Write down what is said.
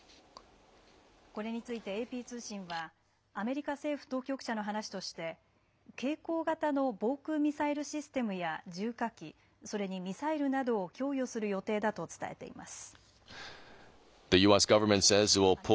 これについてＡＰ通信はアメリカ政府当局者の話として、携行型の防空ミサイルシステムや重火器、それにミサイルなどを供与する予定だと伝えています。